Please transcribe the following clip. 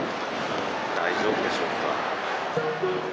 大丈夫でしょうか。